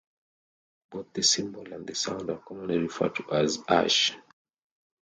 Both the symbol and the sound are commonly referred to as "ash".